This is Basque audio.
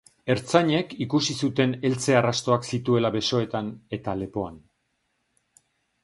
Ertzainek ikusi zuten heltze-arrastoak zituela besoetan eta lepoan.